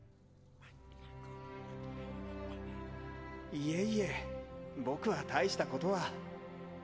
いえいえ僕は大したことは。